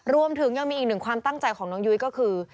รวมถึงยังมีอีกหนึ่งความตั้งใจของน้องยุ้ยก็คือ